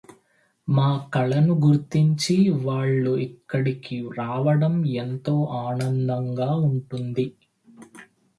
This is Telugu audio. మా కళను గుర్తించి వాళ్ళు ఇక్కడికి రావడం ఎంతో ఆనందంగా ఉంటుంది.